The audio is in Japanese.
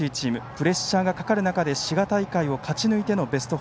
プレッシャーがかかる中で滋賀大会を勝ち抜いてのベスト４。